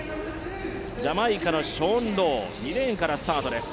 ジャマイカのショーン・ロウ２レーンからスタートです